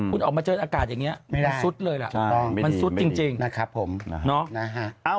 คุณออกมาเจินอากาศอย่างนี้มันสุดเลยล่ะ